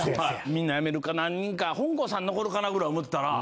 みんな辞めるか何人かほんこんさん残るかなぐらい思てたら。